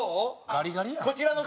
ガリガリやん。